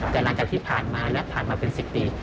แต่หลังจากที่ผ่านมาและผ่านมาเป็น๑๐ปี